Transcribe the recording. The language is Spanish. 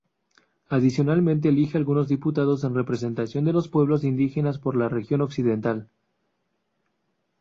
Adicionalmente elige algunos diputados en representación de los pueblos indígenas por la región occidental.